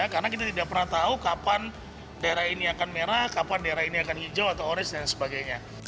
karena kita tidak pernah tahu kapan daerah ini akan merah kapan daerah ini akan hijau atau orange dan sebagainya